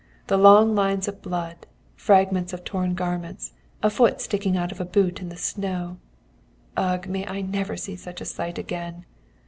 The long lines of blood, fragments of torn garments, a foot sticking out of a boot in the snow Ugh! May I never see such a sight again!